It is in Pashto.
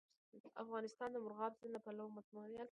افغانستان د مورغاب سیند له پلوه متنوع دی.